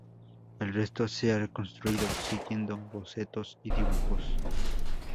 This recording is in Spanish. El resto se ha reconstruido siguiendo bocetos y dibujos.